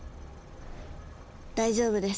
大丈夫です。